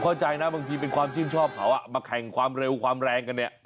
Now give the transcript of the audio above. เข้าใจนะบางทีเป็นความชื่นชอบเขามาแข่งความเร็วความแรงกันเนี่ย